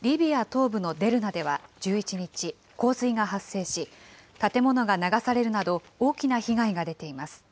リビア東部のデルナでは１１日、洪水が発生し、建物が流されるなど、大きな被害が出ています。